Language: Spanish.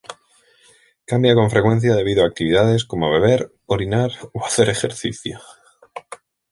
Cambia con frecuencia debido a actividades como beber, orinar o hacer ejercicio.